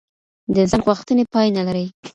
د انسان غوښتنې پای نه لري.